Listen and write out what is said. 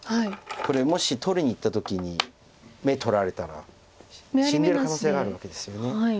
これもし取りにいった時に眼取られたら死んでる可能性があるわけですよね。